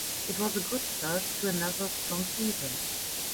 It was a good start to another strong season.